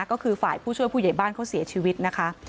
ก็คือฝ่ายผู้ช่วยผู้ใหญ่บ้านเขาเสียชีวิตนะคะ